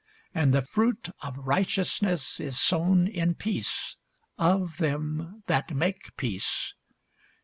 And the fruit of righteousness is sown in peace of them that make peace.